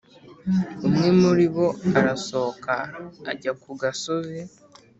Umwe muri abo arasohoka ajya ku gasozi.